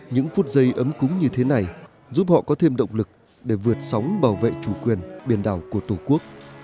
những phút giây ấm cúng như thế này giúp họ có thêm động lực để vượt sóng bảo vệ chủ quyền biển đảo của tổ quốc